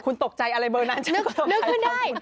คุณตกใจอะไรเบอร์นั้นฉันก็ตกใจ